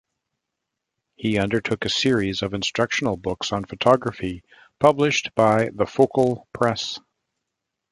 He undertook a series of instructional books on photography, published by the Focal Press.